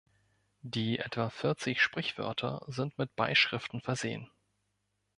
Die, etwa vierzig, Sprichwörter, sind mit Beischriften versehen.